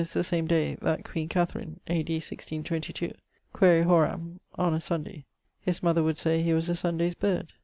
the same day that Queen Katherine), A.D. 1622 quaere horam on a Sunday. His mother would say he was a Sundaye's bird.